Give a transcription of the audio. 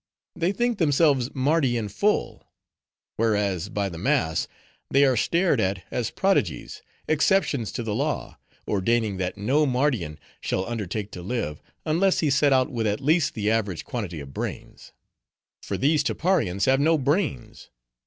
They think themselves Mardi in full; whereas, by the mass, they are stared at as prodigies; exceptions to the law, ordaining that no Mardian shall undertake to live, unless he set out with at least the average quantity of brains. For these Tapparians have no brains.